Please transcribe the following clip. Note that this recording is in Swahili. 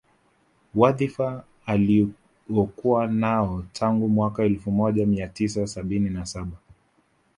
Wadhifa Aliokuwa nao tangu mwaka elfu moja mia tisa sabini na saba